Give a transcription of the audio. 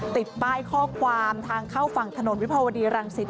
ติดป้ายข้อความทางเข้าฝั่งถนนวิภาวดีรังสิต